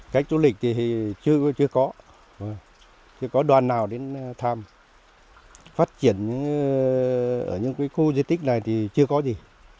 không hề có đoàn nào đến tham phát triển ở những khu di tích này thì chưa có gì